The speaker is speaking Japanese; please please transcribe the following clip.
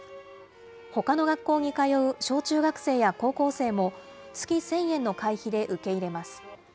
ほかの学校に通う小中学生や高校生も、月１０００円の会費で受け入れます。